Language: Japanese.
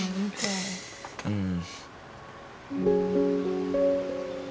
うん。